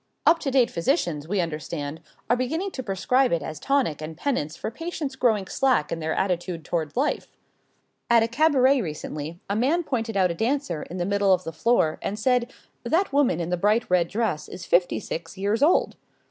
Up to date physicians, we understand, are beginning to prescribe it as tonic and penance for patients growing slack in their attitude toward life. At a cabaret recently a man pointed out a dancer in the middle of the floor and said: "That woman in the bright red dress is fifty six years old."